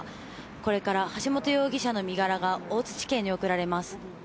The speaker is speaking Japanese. これから橋本容疑者の身柄が大津地検に送られます。